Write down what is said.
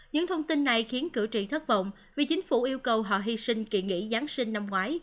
những thông tin này khiến cử tri thất vọng vì chính phủ yêu cầu họ hy sinh kỳ nghỉ giáng sinh năm ngoái